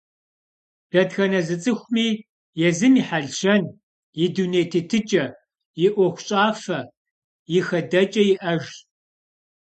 Дэтхэнэ зы цӏыхуми езым и хьэлщэн, и дуней тетыкӏэ, и ӏуэхущӏафэ, и хэдэкӏэ иӏэжщ.